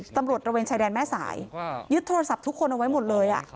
ตำรวจระเวนชายแดนแม่สายยึดโทรศัพท์ทุกคนเอาไว้หมดเลย